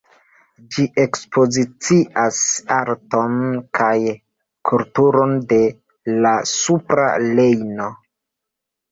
Ĝi ekspozicias arton kaj kulturon de la Supra Rejno.